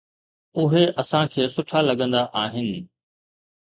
اهي اسان کي سٺا لڳندا آهن.